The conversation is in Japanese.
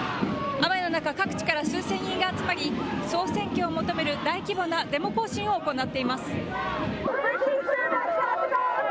雨の中、各地から数千人が集まり総選挙を求める大規模なデモ行進を行っています。